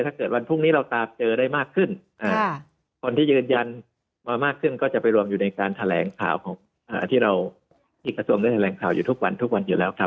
ถ้าเกิดวันพรุ่งนี้เราตามเจอได้มากขึ้นคนที่ยืนยันมามากขึ้นก็จะไปรวมอยู่ในการแถลงข่าวของที่เราที่กระทรวงได้แถลงข่าวอยู่ทุกวันทุกวันอยู่แล้วครับ